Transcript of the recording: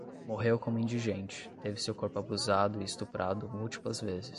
Morreu como indigente, teve seu corpo abusado e estuprado múltiplas vezes